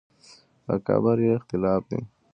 په قبر یې اختلاف دی.